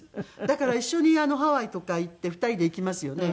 だから一緒にハワイとか行って２人で行きますよね。